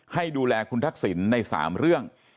ให้ดูแลคุณทักษิณใน๓เรื่อง